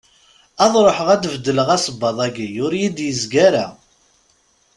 Ad ruḥeɣ ad d-beddleɣ asebbaḍ-agi, ur iyi-d-izga ara.